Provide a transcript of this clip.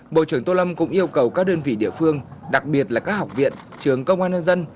bộ trưởng tô lâm cũng yêu cầu các đơn vị địa phương đặc biệt là các học viện trường công an nhân dân